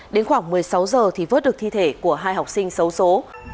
đến khoảng một mươi sáu giờ thì vớt được thi thể của hai học sinh xấu xố